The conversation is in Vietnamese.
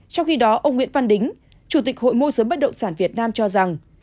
trong khi đó ông nguyễn văn đính chủ tịch hội môi giới bất động sản việt nam cho rằng